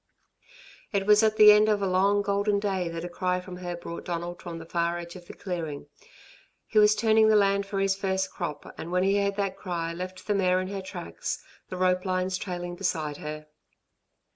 It was at the end of a long golden day that a cry from her brought Donald from the far edge of the clearing. He was turning the land for his first crop, and when he heard that cry, left the mare in her tracks, the rope lines trailing beside her.